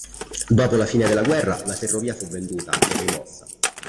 Dopo la fine della guerra la ferrovia fu venduta e rimossa.